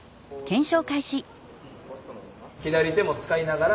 左手も使いながら。